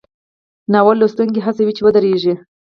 ناول لوستونکی هڅوي چې ودریږي.